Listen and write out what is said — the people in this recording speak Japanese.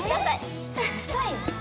はい。